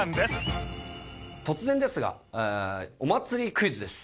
突然ですがお祭りクイズです。